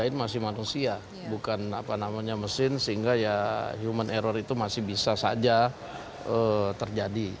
namanya mesin sehingga ya human error itu masih bisa saja terjadi